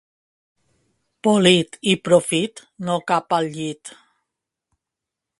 Polit i profit, no cap al llit.